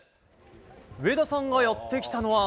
上田さんがやって来たのは。